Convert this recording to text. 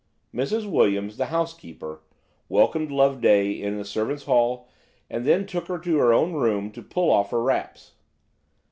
Mrs. Williams, the housekeeper, welcomed Loveday in the servants' hall, and then took her to her own room to pull off her wraps.